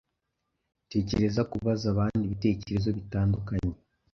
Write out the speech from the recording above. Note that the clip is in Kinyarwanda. tekereza kubaza abandi ibitekerezo bitandukanye